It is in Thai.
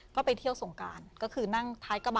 ก็ไปเที่ยวสงการก็คือนั่งท้ายกระบะ